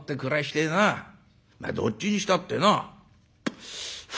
まっどっちにしたってな」。